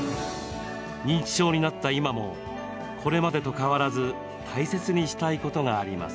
認知症になった今もこれまでと変わらず大切にしたいことがあります。